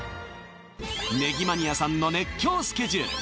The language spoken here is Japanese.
ねぎマニアさんの熱狂スケジュール